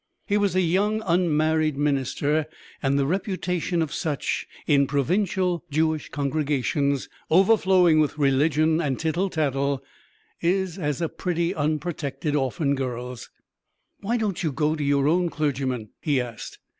He was a young unmarried minister, and the reputation of such in provincial Jewish congregations, overflowing with religion and tittle tattle, is as a pretty unprotected orphan girl's. "Why don't you go to your own clergyman?" he asked.